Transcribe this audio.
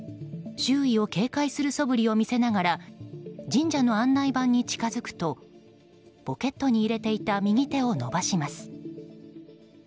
周囲を警戒するそぶりを見せながら神社の案内板に近づくとポケットに入れていた右手を伸ばします。